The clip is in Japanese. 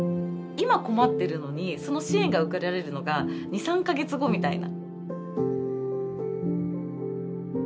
今困ってるのにその支援が受けられるのが２３か月後みたいな。